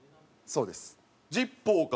そうです。